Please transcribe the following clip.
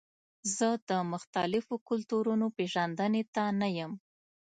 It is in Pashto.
زه د مختلفو کلتورونو پیژندنې ته نه یم.